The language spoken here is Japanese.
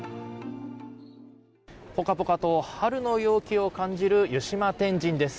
ポカポカと春の陽気を感じる湯島天神です。